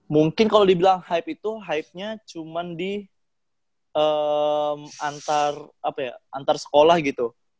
mungkin kalau dibilang hype itu hype nya cuman di antar sekolah gitu